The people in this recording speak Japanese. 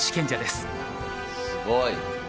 すごい。